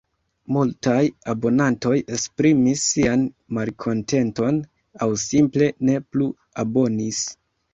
Multaj abonantoj esprimis sian malkontenton – aŭ simple ne plu abonis.